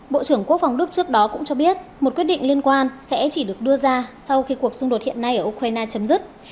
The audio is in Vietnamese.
bộ trưởng quốc phòng đức trước đó cũng cho biết một quyết định liên quan sẽ chỉ được đưa ra sau khi cuộc xung đột hiện nay ở ukraine chấm dứt